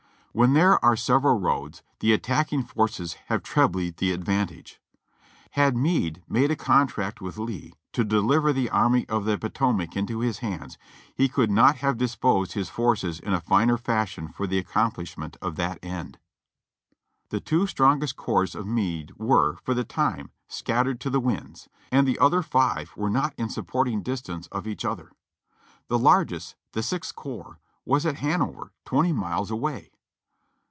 When there are several roads, the attacking forces have trebly the advantage. Had Meade made a contract with Lee to deliver the Army of the Potomac into his hands, he could not have disposed his forces in a finer fashion for the accomplishment of that end. The two strongest corps of Meade were, for the time, scat tered to the winds, and the other five were not in supporting distance of each other. The largest, the Sixth corps, was at Hanover, twenty miles away.